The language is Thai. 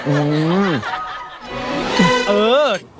อืม